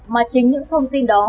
mà chính những thông tin đó